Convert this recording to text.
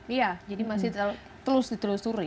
iya jadi masih terus ditelusuri